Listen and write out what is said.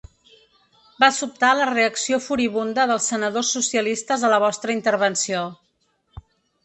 Va sobtar la reacció furibunda dels senadors socialistes a la vostra intervenció.